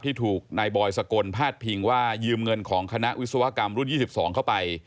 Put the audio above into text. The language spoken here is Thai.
ที่ถูกนายบอยสกลพาดพิงว่ายืมเงินของคณะวิศวกรรมรุ่น๒๒เข้าไป